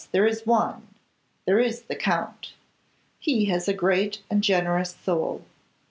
there is one; there is the Count. He has a great and generous soul.